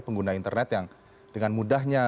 pengguna internet yang dengan mudahnya